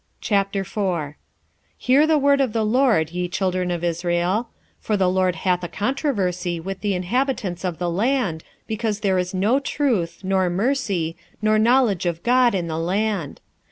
4:1 Hear the word of the LORD, ye children of Israel: for the LORD hath a controversy with the inhabitants of the land, because there is no truth, nor mercy, nor knowledge of God in the land.